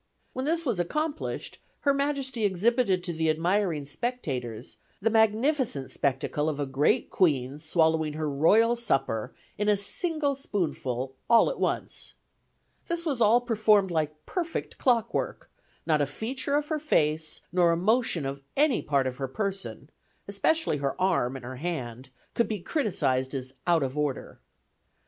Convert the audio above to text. When this was accomplished, her majesty exhibited to the admiring spectators, the magnificent spectacle of a great queen swallowing her royal supper in a single spoonful all at once. This was all performed like perfect clock work; not a feature of her face, nor a motion of any part of her person, especially her arm and her hand, could be criticized as out of order.